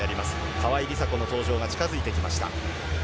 川井梨紗子の登場が近づいてきました。